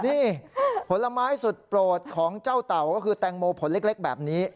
นี่ผลไม้สุดโปรดของเจ้าเต่าก็คือแตงโมผลเล็กแบบนี้